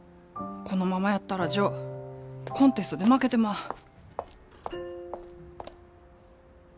このままやったらジョーコンテストで負けてまう。